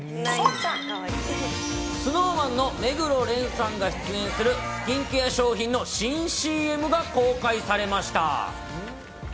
ＳｎｏｗＭａｎの目黒蓮さんが出演する、スキンケア商品の新ＣＭが公開されました。